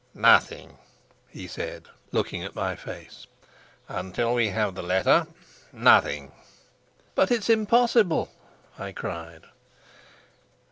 "Nothing, he said," looking at my face. "Until we have the letter, nothing." "But it's impossible!" I cried.